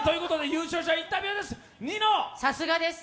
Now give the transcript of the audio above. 優勝者インタビューです。